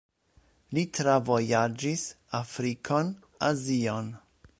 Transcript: Li travojaĝis Afrikon, Azion.